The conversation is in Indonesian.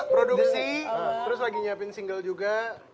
produksi terus lagi nyiapin single juga